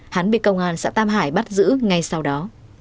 hắn bị công an xã tam hải bắt giữ ngay sau đó